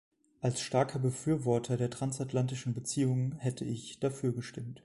Als starker Befürworter der transatlantischen Beziehungen hätte ich dafür gestimmt.